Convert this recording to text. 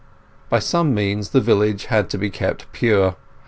By some means the village had to be kept pure.